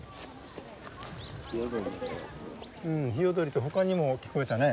ヒヨドリと他にも聞こえたね。